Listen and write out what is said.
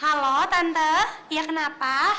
halo tante ya kenapa